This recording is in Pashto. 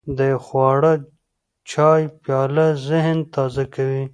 د یو خواږه چای پیاله ذهن تازه کوي.